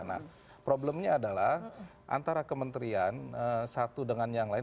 nah problemnya adalah antara kementerian satu dengan yang lain